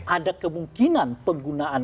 ada kemungkinan penggunaan